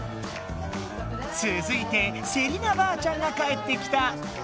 つづいてセリナばあちゃんが帰ってきた。